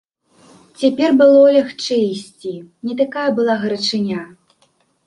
Цяпер было лягчэй ісці, не такая была гарачыня.